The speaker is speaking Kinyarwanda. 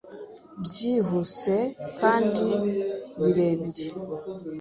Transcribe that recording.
byihuse kandi birebire.